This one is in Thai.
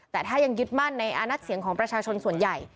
แต่ถ้ายังยึดมั่นในอานัดเสียงของประชาชนส่วนใหญ่